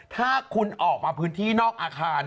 ถ้าคุณออกมาพื้นที่นอกอาคาร